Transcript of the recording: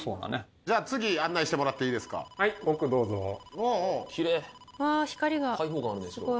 じゃあ次案内してもらっていいですか？